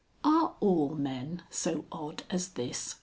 "Are all men so odd as this?"